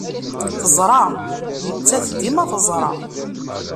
Teẓra. Nettat dima teẓra.